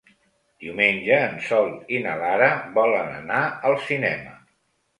Diumenge en Sol i na Lara volen anar al cinema.